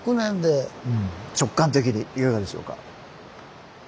直感的にいかがでしょうか？